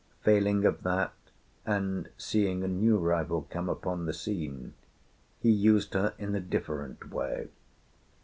Failing of that, and seeing a new rival come upon the scene, he used her in a different way.